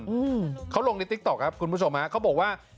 มีคนลองติ๊กต๊อกครับคุณผู้ชมเธอบอกว่า